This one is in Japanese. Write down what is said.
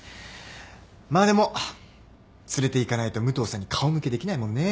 まあでも連れていかないと武藤さんに顔向けできないもんね。